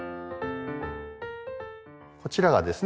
こちらがですね